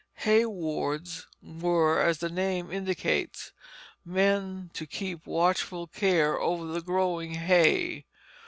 Hay wards were, as the name indicates, men to keep watchful care over the growing hay.